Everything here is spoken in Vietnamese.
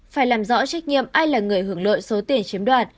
phải làm rõ trách nhiệm ai là người hưởng lợi số tiền chiếm đoạt